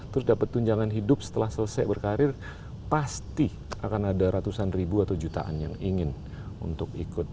terus dapat tunjangan hidup setelah selesai berkarir pasti akan ada ratusan ribu atau jutaan yang ingin untuk ikut